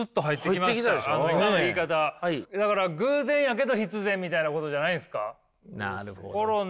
だから偶然やけど必然みたいなことじゃないんすか。